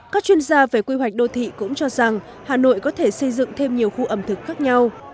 các chuyên gia về quy hoạch đô thị cũng cho rằng hà nội có thể xây dựng thêm nhiều khu ẩm thực khác nhau